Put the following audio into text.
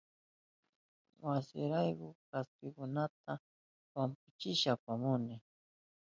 Wasirayku kaspikunata wampuchishpa apamuni.